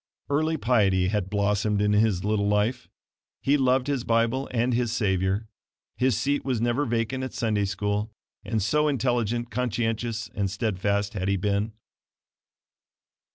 Early piety had blossomed in his little life. He loved his Bible and his Savior. His seat was never vacant at Sunday school, and so intelligent, conscientious and steadfast had he been.